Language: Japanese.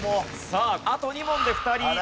さああと２問で２人。